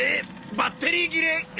バッテリー切れ！？